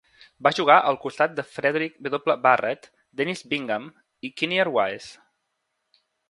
Va jugar al costat de Frederick W. Barrett, Dennis Bingham i Kinnear Wise.